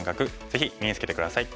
ぜひ身につけて下さい。